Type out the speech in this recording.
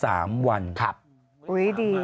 ท่านทำเป็นประจำทุกครับท่านทำเป็นประจำทุกครับ